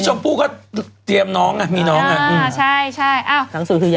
ช่องปู่ก็เตรียมน้องอะมีน้องอะอ้าวใช่อ้าว